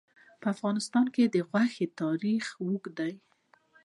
په افغانستان کې د غوښې تاریخ اوږد دی.